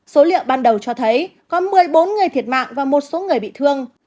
số liệu ban đầu cho thấy có một mươi bốn người thiệt mạng và một số người bị thương